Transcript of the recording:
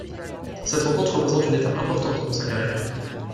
Cette rencontre représente une étape importante dans sa carrière.